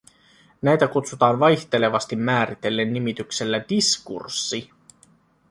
Näitä kutsutaan vaihtelevasti määritellen nimityksellä diskurssi